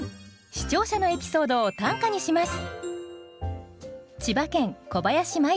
視聴者のエピソードを短歌にします。